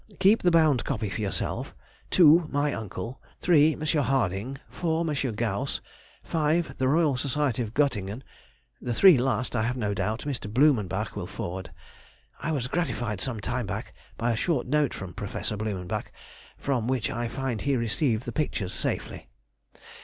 Keep the bound copy for yourself; 2. My uncle; 3. M. Harding; 4. M. Gauss; 5. The Royal Society of Göttingen. The three last, I have no doubt, M. Blumenbach will forward. I was gratified some time back by a short note from Professor Blumenbach, from which I find he received the pictures safely.